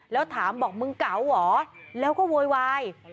แล้วถามบอกมึงเก๋าเหรอแล้วก็โวยวาย